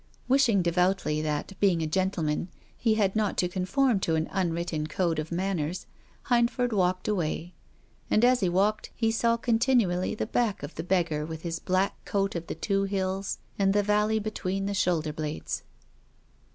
Wishing devoutly that, being a gentleman, he had not to conform to an unwritten code of manners. Hind ford walked away. And, as he walked, he saw continually the back of the beggar with that black coat of the two hills and the valley between the shoulder blades.